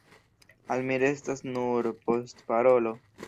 Al mi restas nur postparolo.